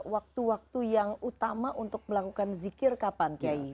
waktu waktu yang utama untuk melakukan zikir kapan kiai